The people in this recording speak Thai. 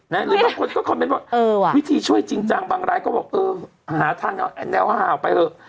หรือบางคนก็คอมเมนต์ว่าวิธีช่วยจริงจังบางรายก็บอกเออหาทางแนวหาวไปเถอะ